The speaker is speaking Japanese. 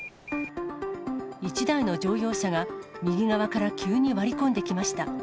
１台の乗用車が右側から急に割り込んできました。